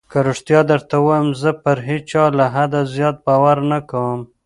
که رښتيا درته ووايم زه پر هېچا له حده زيات باور نه کوم.